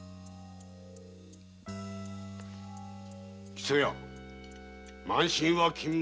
木曽屋慢心は禁物。